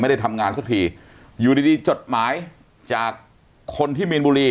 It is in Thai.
ได้ทำงานสักทีอยู่ดีดีจดหมายจากคนที่มีนบุรี